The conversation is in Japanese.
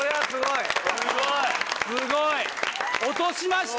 すごい。